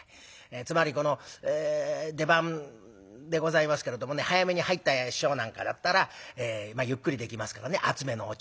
つまりこの出番でございますけれどもね早めに入った師匠なんかだったらゆっくりできますからね熱めのお茶。